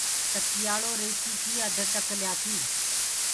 ٽڪيآݪِو ريتيو ڪي آڌي ٽڪ ليآسي